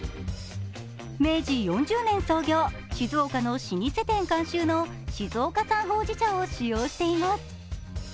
明治４０年創業、静岡の老舗店監修の静岡産ほうじ茶を使用しています。